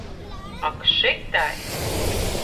Ak šytai!